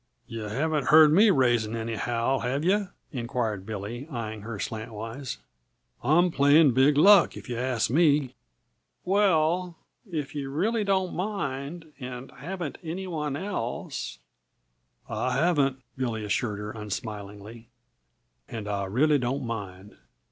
"Yuh haven't heard me raising any howl, have yuh?" inquired Billy, eying her slantwise. "I'm playing big luck, if yuh ask me." "Well if you really don't mind, and haven't any one else " "I haven't," Billy assured her unsmilingly. "And I really don't mind.